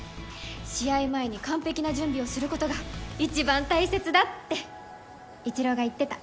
「試合前に完璧な準備をすることが一番大切だ」ってイチローが言ってた。